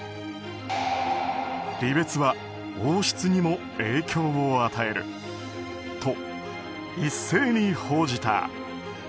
離別は王室にも影響を与えると一斉に報じた。